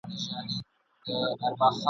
زامنو یې سپارلی رقیبانو ته بورجل دی !.